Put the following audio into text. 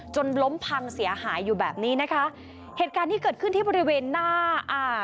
จนล้มพังเสียหายอยู่แบบนี้นะคะเหตุการณ์ที่เกิดขึ้นที่บริเวณหน้าอ่า